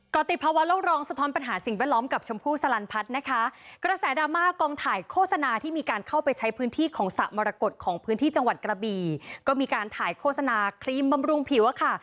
ก็ติดภาวะโลกรองสะท้อนปัญหาสิ่งแวดล้อมกับชมพู่สลันพัฒน์นะคะกระแสดราม่ากองถ่ายโฆษณาที่มีการเข้าไปใช้พื้นที่ของสระมรกฏของพื้นที่จังหวัดกระบีก็มีการถ่ายโฆษณาครีมบำรุงผิวอะค่ะ